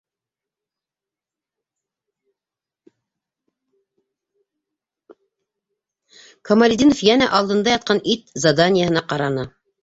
Камалетдинов йәнә алдында ятҡан ит заданиеһына ҡараны.